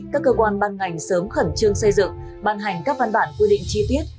các cơ quan ban ngành sớm khẩn trương xây dựng ban hành các văn bản quy định chi tiết